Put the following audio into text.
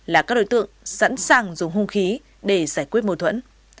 là các đối tượng sẵn sàng dùng hung khí để giải quyết mâu thuẫn